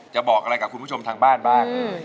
บอกอะไรกับคุณผู้ชมทางบ้านบ้าง